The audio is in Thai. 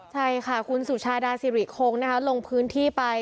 ใช่ค่ะคุณสุชาดาสิริคงลงพื้นที่ไป